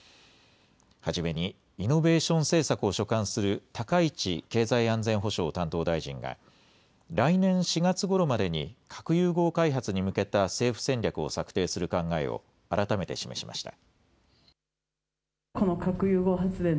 初めにイノベーション政策を所管する高市経済安全保障担当大臣が、来年４月ごろまでに核融合開発に向けた政府戦略を策定する考えを、改めて示しました。